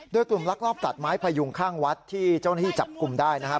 โดยกลุ่มลักลอบตัดไม้พยุงข้างวัดที่เจ้าหน้าที่จับกลุ่มได้นะครับ